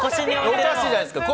おかしいじゃないですか。